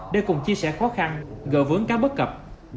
để cùng chia sẻ khó khăn gỡ vướng các bất cập